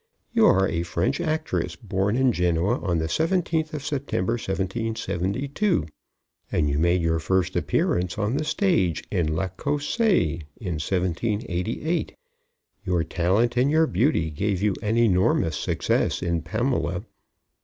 You are a French actress, born in Genoa on the seventeenth of September, 1772, and you made your first appearance on the stage in L'Ecossaise in 1788. Your talent and your beauty gave you an enormous success in Pamela.